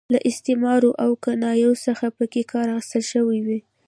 له استعارو او کنایو څخه پکې کار اخیستل شوی وي.